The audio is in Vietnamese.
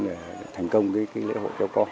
để thành công cái lễ hội kéo co